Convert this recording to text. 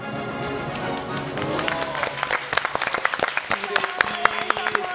うれしい！